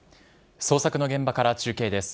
捜索の現場から中継です。